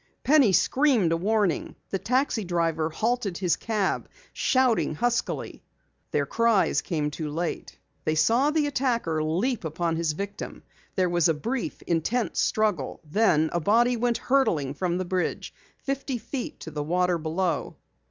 Penny screamed a warning; the taxi driver halted his cab, shouting huskily. Their cries came too late. They saw the attacker leap upon his victim. There was a brief, intense struggle, then a body went hurtling from the bridge, fifty feet to the water below.